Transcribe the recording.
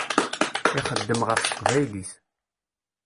Ixeddem ɣef teqbaylit.